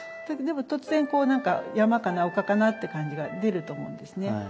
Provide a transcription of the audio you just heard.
でも突然こうなんか山かな丘かなって感じが出ると思うんですね。